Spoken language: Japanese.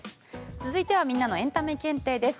続いてはみんなのエンタメ検定です。